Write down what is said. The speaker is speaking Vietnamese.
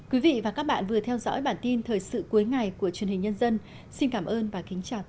quý vị và các bạn vừa theo dõi bản tin thời sự cuối ngày của truyền hình nhân dân xin cảm ơn và kính chào